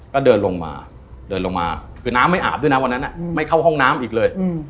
ก็เดินลงมาเดินลงมาคือน้ำไม่อาบด้วยนะวันนั้นไม่เข้าห้องน้ำอีกเลย